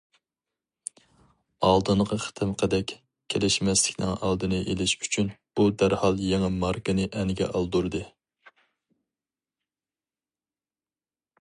ئالدىنقى قېتىمقىدەك كېلىشمەسلىكنىڭ ئالدىنى ئېلىش ئۈچۈن، ئۇ دەرھال يېڭى ماركىنى ئەنگە ئالدۇردى.